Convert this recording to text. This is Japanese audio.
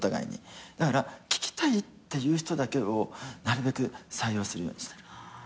だから聞きたいっていう人だけをなるべく採用するようにしてる。